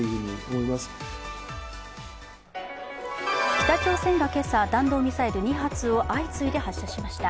北朝鮮が今朝、弾道ミサイル２発を相次いで発射しました。